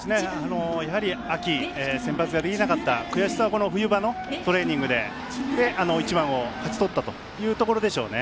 やはり、秋先発ができなかった悔しさを冬場のトレーニングで１番を勝ち取ったというところでしょうね。